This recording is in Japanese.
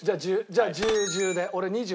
じゃあ１０１０で。俺。